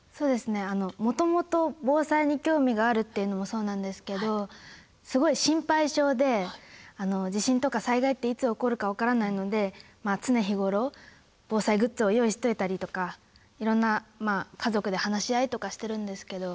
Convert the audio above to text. もともと防災に興味があるっていうのもそうなんですけどすごい心配性で地震とか災害っていつ起こるか分からないので常日頃防災グッズを用意しといたりとかいろんなまあ家族で話し合いとかしてるんですけど。